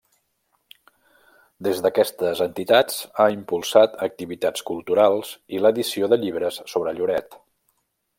Des d'aquestes entitats ha impulsat activitats culturals i l'edició de llibres sobre Lloret.